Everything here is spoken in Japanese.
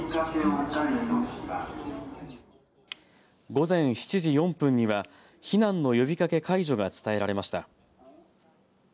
午前７時４分には避難の呼びかけ解除が伝えられました。